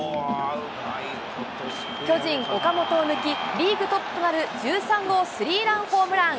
巨人、岡本を抜き、リーグトップとなる１３号スリーランホームラン。